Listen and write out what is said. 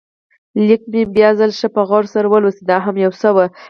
لیک مې بیا ځل ښه په غور سره ولوست، دا هم یو څه و.